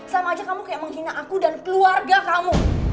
sama aja kamu kayak menghina aku dan keluarga kamu